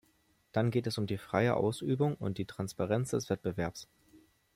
Dann geht es um die freie Ausübung und die Transparenz des Wettbewerbs.